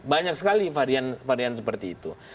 banyak sekali varian varian seperti itu